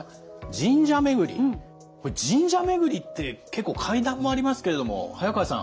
神社めぐりって結構階段もありますけれども早川さん